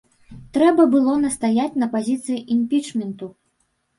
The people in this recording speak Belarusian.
Трэба было настаяць на пазіцыі імпічменту.